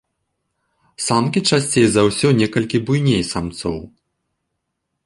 Самкі часцей за ўсё некалькі буйней самцоў.